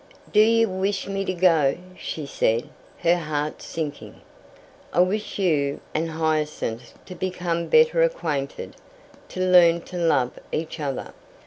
"Do you wish me to go?" said she, her heart sinking. "I wish you and Hyacinth to become better acquainted to learn to love each other."